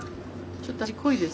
ちょっと味濃いです。